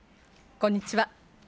こんにちは。